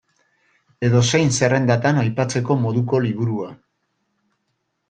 Edozein zerrendatan aipatzeko moduko liburua.